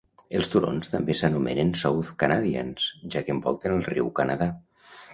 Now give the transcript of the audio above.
Els turons també s'anomenen "South Canadians", ja que envolten el riu Canadà.